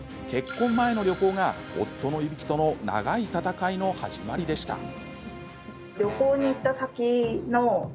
結婚前の旅行が、夫のいびきとの長い闘いの始まりでした。